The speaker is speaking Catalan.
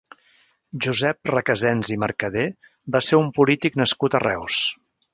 Josep Recasens i Mercadé va ser un polític nascut a Reus.